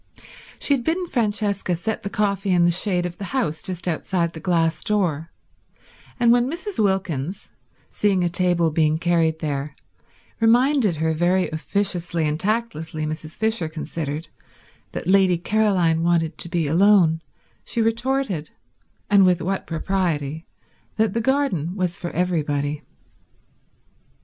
She had bidden Francesca set the coffee in the shade of the house just outside the glass door, and when Mrs. Wilkins, seeing a table being carried there, reminded her, very officiously and tactlessly Mrs. Fisher considered, that Lady Caroline wanted to be alone, she retorted—and with what propriety—that the garden was for everybody.